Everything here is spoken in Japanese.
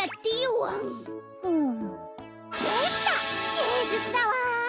げいじゅつだわ！